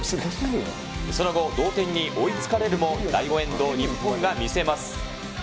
その後、同点に追いつかれるも、第５エンドを日本が見せます。